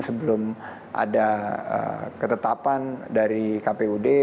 sebelum ada ketetapan dari kpud